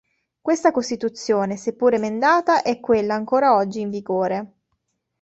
Questa costituzione, seppur emendata, è quella ancora oggi in vigore.